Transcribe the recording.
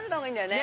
ね